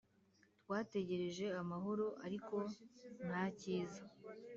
Twategereje amahoro ariko nta cyiza